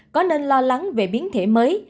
có nên lo lắng về biến thể mới